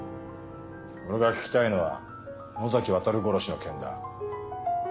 俺が聞きたいのは能崎亘殺しの件だ。